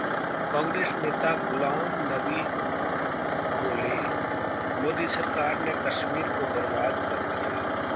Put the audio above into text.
कांग्रेस नेता गुलाम नबी बोले- मोदी सरकार ने कश्मीर को बर्बाद कर दिया